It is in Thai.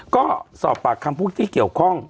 ก็สอบปากคำผู้ที่เกี่ยวข้อง